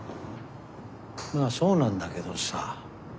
まぁそうなんだけどさ。